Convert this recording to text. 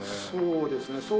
そうですね。